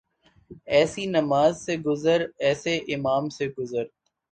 ایسی نماز سے گزر ، ایسے امام سے گزر